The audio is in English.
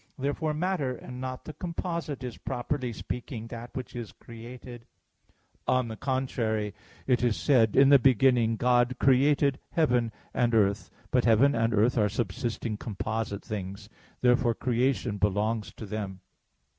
Therefore matter, and not the composite, is, properly speaking, that which is created. On the contrary, It is said (Gen. 1:1): "In the beginning God created heaven and earth." But heaven and earth are subsisting composite things. Therefore creation belongs to them.